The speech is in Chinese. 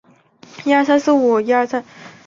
但脾胃虚寒者慎服。